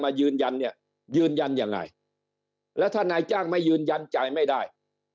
ยืนยันเนี่ยยืนยันยังไงแล้วถ้านายจ้างไม่ยืนยันจ่ายไม่ได้